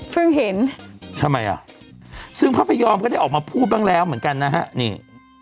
เห็นทำไมอ่ะซึ่งพระพยอมก็ได้ออกมาพูดบ้างแล้วเหมือนกันนะฮะนี่